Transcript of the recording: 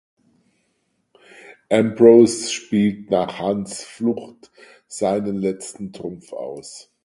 Ambrose spielt nach Hunts Flucht seinen letzten Trumpf aus.